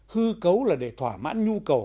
hư cấu là để thỏa mãn nhu cầu